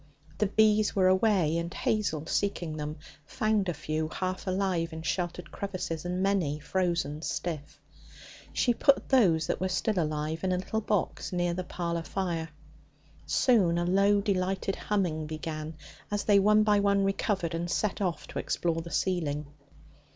The bees were away, and Hazel, seeking them, found a few half alive in sheltered crevices, and many frozen stiff. She put those that were still alive in a little box near the parlour fire. Soon a low delighted humming began as they one by one recovered and set off to explore the ceiling.